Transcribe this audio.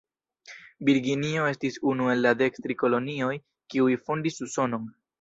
Virginio estis unu el la dektri kolonioj, kiuj fondis Usonon.